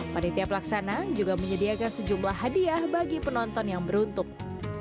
panitia pelaksana juga menyediakan sejumlah hadiah bagi penonton yang beruntung